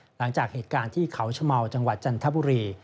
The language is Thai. หลังจากเหตุการณ์ที่เขาชะเมาจังหวัดจันทบุรี